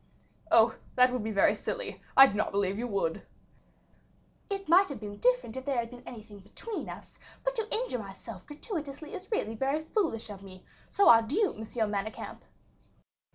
"Oh! that would be very silly; I do not believe you would." "It might have been different if there had been anything between us; but to injure myself gratuitously is really very foolish of me; so, adieu, Monsieur Manicamp."